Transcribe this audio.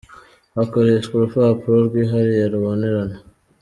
Hakoreshwa urupapuro rwihariye rubonerana.